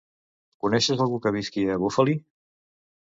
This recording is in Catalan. Coneixes algú que visqui a Bufali?